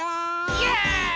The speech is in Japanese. イェーイ！